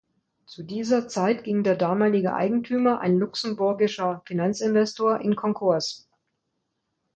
Zu dieser Zeit ging der damalige Eigentümer, ein luxemburgischer Finanzinvestor, in Konkurs.